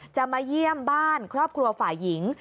จะมาเยี่ยมบ้านครอบครัวฝ่ายหญิง